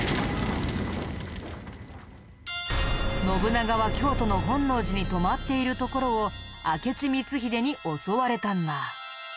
信長は京都の本能寺に泊まっているところを明智光秀に襲われたんだ。